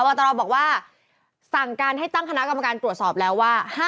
ตรบอกว่าสั่งการให้ตั้งคณะกรรมการตรวจสอบแล้วว่า